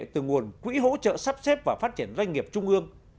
từ nguồn quỹ hỗ trợ sắp xếp và phát triển doanh nghiệp trung ương